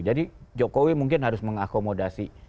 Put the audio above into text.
jadi jokowi mungkin harus mengakomodasi